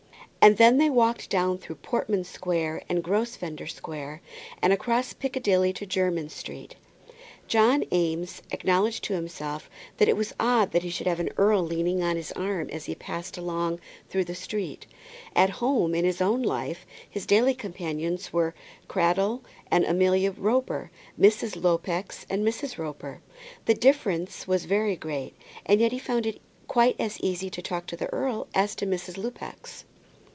And then they walked down through Portman Square and Grosvenor Square, and across Piccadilly to Jermyn Street. John Eames acknowledged to himself that it was odd that he should have an earl leaning on his arm as he passed along through the streets. At home, in his own life, his daily companions were Cradell and Amelia Roper, Mrs. Lupex and Mrs. Roper. The difference was very great, and yet he found it quite as easy to talk to the earl as to Mrs. Lupex.